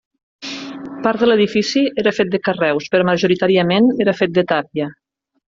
Part de l'edifici era fet de carreus, però majoritàriament era fet de tàpia.